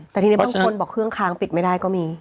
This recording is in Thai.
แต่ทีนี้บางคนบอกเครื่องค้างปิดไม่ได้ก็มี